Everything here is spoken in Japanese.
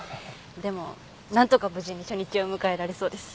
でもなんとか無事に初日を迎えられそうです。